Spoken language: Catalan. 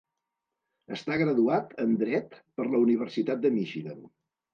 Està graduat en dret per la Universitat de Michigan.